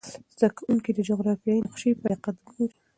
زده کوونکي د جغرافیې نقشه په دقت ګوري.